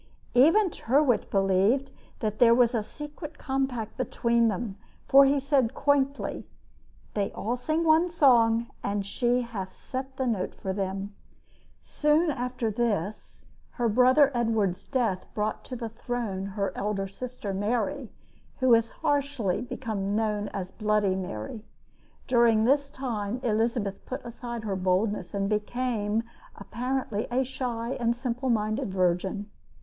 Even Tyrwhitt believed that there was a secret compact between them, for he said, quaintly: "They all sing one song, and she hath set the note for them." Soon after this her brother Edward's death brought to the throne her elder sister, Mary, who has harshly become known as Bloody Mary. During this time Elizabeth put aside her boldness, and became apparently a shy and simple minded virgin.